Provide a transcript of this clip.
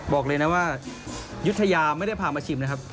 บอกเลยนะว่ายุธยาไม่ได้พามาชิมนะครับ